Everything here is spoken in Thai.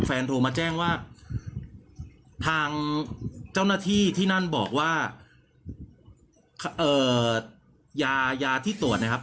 โทรมาแจ้งว่าทางเจ้าหน้าที่ที่นั่นบอกว่ายายาที่ตรวจนะครับ